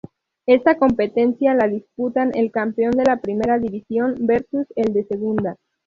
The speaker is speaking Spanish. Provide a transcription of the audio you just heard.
Esta competencia la disputan el campeón de Primera división Versus el de segunda.